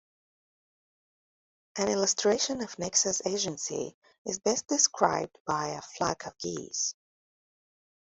An illustration of nexus agency is best described by a flock of geese.